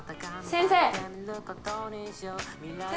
先生！